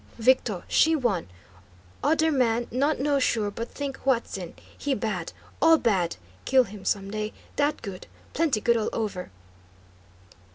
"Victo, she one. Odder man, not know sure, but think Huatzin. He bad; all bad! Kill him, some day. Dat good; plenty good all over!"